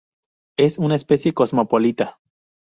Es una especie cosmopolita.